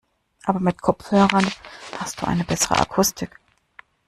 Aber mit Kopfhörern hast du eine bessere Akustik.